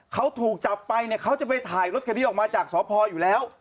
เขาถูกจับไปเนี่ยเขาจะไปถ่ายรถคันนี้ออกมาจากสพอยู่แล้ว